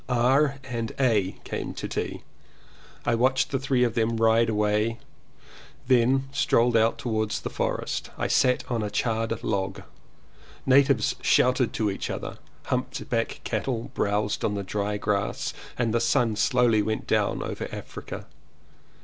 R. and A. came to tea. I watched the three of them ride away, then strolled out towards the forest. I sat on a charred log. Natives shouted to each other, humped backed cattle browsed on the dry grass and the sun slowly went down over Africa.